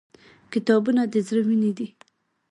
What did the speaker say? • کتابونه د زړه وینې دي.